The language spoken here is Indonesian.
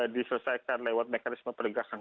diselesaikan lewat mekanisme penegakan